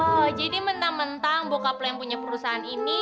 oh jadi mentang mentang bokaplay yang punya perusahaan ini